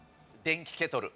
電気ケトル？